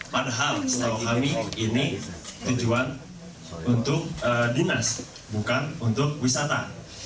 padahal setahu kami ini tujuan untuk dinas bukan untuk wisata